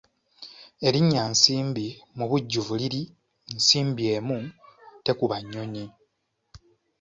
Erinnya Nsimbi mu bujjuvu liri Nsimbi emu tekuba nnyonyi.